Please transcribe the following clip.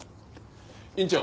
院長！